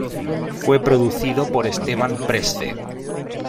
Fue producido por Esteban Pesce.